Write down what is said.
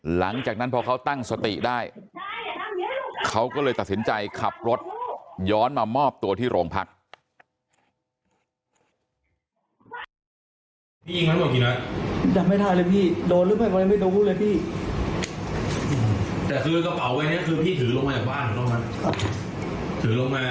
หลังจากนั้นพอเขาตั้งสติได้เขาก็เลยตัดสินใจขับรถย้อนมามอบตัวที่โรงพัก